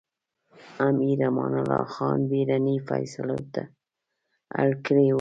امیر امان الله خان بېړنۍ فېصلو ته اړ کړی و.